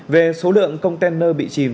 về số lượng container bị chìm